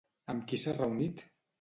Amb qui s'ha reunit?